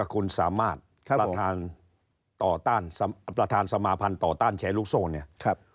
คนสามารถประธานสมาพันธ์ต่อต้านแชร์ลูกโซนเนี่ย